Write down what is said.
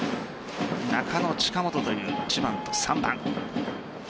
中野、近本という１番と３番。